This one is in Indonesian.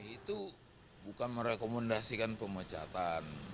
itu bukan merekomendasikan pemecatan